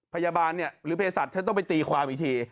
พยาบาลเนี่ยหรือเพศัตว์ฉันต้องไปตีความอีกที